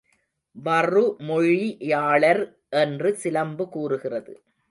வறுமொழியாளர் என்று சிலம்பு கூறுகிறது.